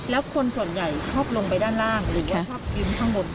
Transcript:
แล้วคนส่วนใหญ่ชอบลงไปด้านล่างหรือว่าชอบยืนข้างบน